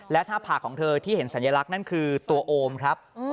และหน้าผากของเธอที่เห็นสัญลักษณ์นั่นคือตัวโอมครับ